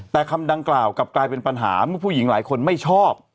แต่คำดังกล่าวกลับกลายเป็นปัญหาเมื่อผู้หญิงหลายคนไม่ชอบ